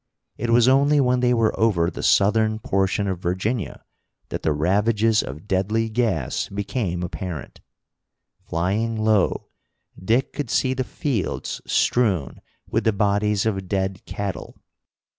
It was only when they were over the southern portion of Virginia that the ravages of deadly gas became apparent. Flying low, Dick could see the fields strewn with the bodies of dead cattle.